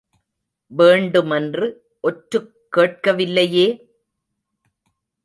வேண்டுமென்று ஒற்றுக் கேட்கவில்லையே!